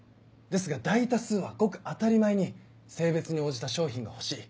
ですが大多数はごく当たり前に性別に応じた商品が欲しい。